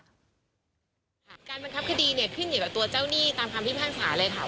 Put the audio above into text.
การบังคับคดีเนี่ยขึ้นอยู่กับตัวเจ้าหนี้ตามคำพิพากษาเลยค่ะ